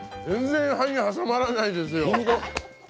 全然、歯に挟まらないですよ。